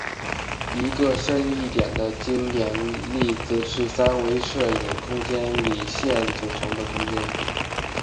一个深一点的经典例子是三维射影空间里线组成的空间。